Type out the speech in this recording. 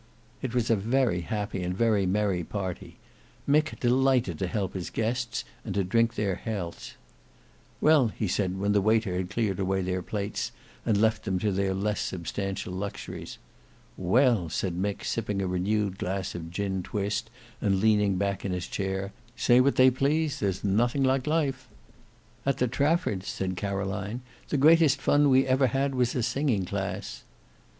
It was a very happy and very merry party. Mick delighted to help his guests, and to drink their healths. "Well," said he when the waiter had cleared away their plates, and left them to their less substantial luxuries. "Well," said Mick, sipping a renewed glass of gin twist and leaning back in his chair, "say what they please, there's nothing like life." "At the Traffords'," said Caroline, "the greatest fun we ever had was a singing class."